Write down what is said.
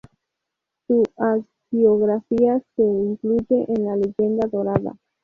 Su hagiografía se incluye en la Leyenda dorada.